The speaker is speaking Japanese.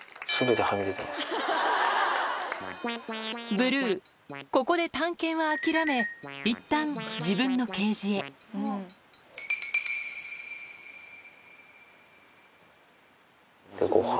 ブルーここで探検は諦めいったん自分のケージへごはん。